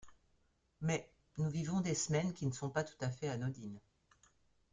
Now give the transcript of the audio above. Mais, nous vivons des semaines qui ne sont pas tout à fait anodines.